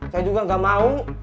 saya juga gak mau